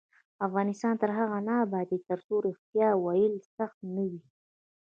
افغانستان تر هغو نه ابادیږي، ترڅو ریښتیا ویل سخت نه وي.